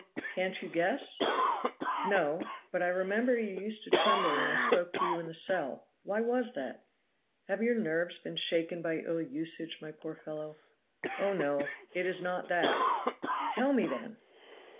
"Can't you guess?" "No! But I remember you used to tremble when I spoke to you in the cell. Why was that? Have your nerves been shaken by ill usage, my poor fellow?" "Oh, no! it is not that." "Tell me, then!"